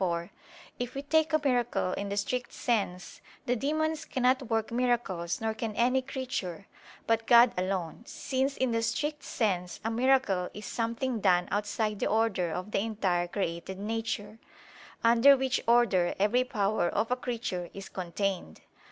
4), if we take a miracle in the strict sense, the demons cannot work miracles, nor can any creature, but God alone: since in the strict sense a miracle is something done outside the order of the entire created nature, under which order every power of a creature is contained.